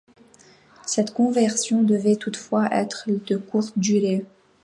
Cette conversion devait toutefois être de courte durée.